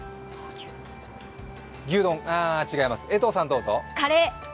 牛丼？ああ、違います。